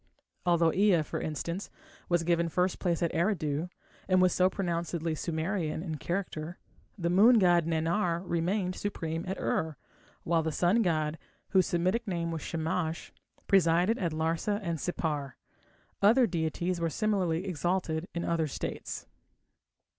Although Ea, for instance, was given first place at Eridu, and was so pronouncedly Sumerian in character, the moon god Nannar remained supreme at Ur, while the sun god, whose Semitic name was Shamash, presided at Larsa and Sippar. Other deities were similarly exalted in other states.